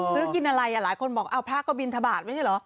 ซื้อกินอะไรหลายคนบอกเอาพระก็บินทบาทไม่ใช่เหรอ